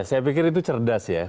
saya pikir itu cerdas ya